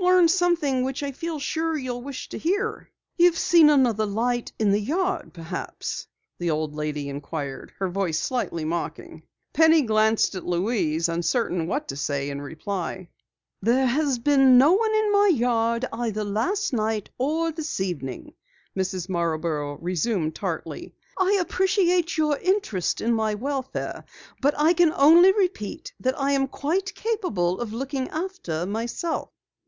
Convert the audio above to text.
"I've learned something which I feel sure you'll wish to hear." "You've seen another light in the yard perhaps?" the old lady inquired, her voice slightly mocking. Penny glanced at Louise, uncertain what to say in reply. "There has been no one in my yard either last night or this evening," Mrs. Marborough resumed tartly. "I appreciate your interest in my welfare, but I can only repeat that I am quite capable of looking after myself."